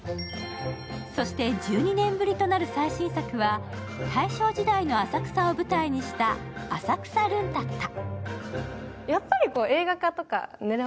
そして１２年ぶりとなる最新作は大正時代の浅草を舞台にした「浅草ルンタッタ」。